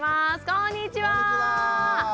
こんにちは。